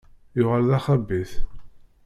Yuɣal d axabit.